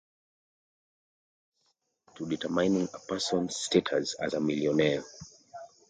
There are multiple approaches to determining a person's status as a millionaire.